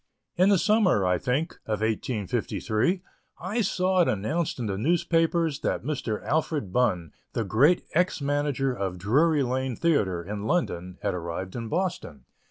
In the summer, I think, of 1853, I saw it announced in the newspapers that Mr. Alfred Bunn, the great ex manager of Drury Lane Theatre, in London, had arrived in Boston.